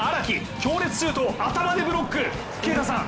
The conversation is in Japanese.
強烈シュートを頭でブロック。